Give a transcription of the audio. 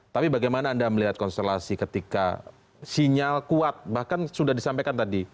tapi bagaimana anda melihat konstelasi ketika sinyal kuat bahkan sudah disampaikan tadi